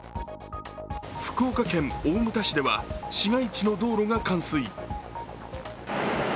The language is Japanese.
福岡県大牟田市では市街地の道路が冠水。